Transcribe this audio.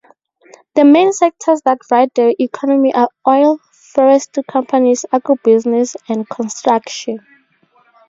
The main sectors that drive the economy are oil, forestry companies, agribusiness, and construction.